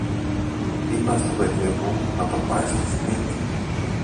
είπα στο παιδί μου να το πάει στο σπίτι.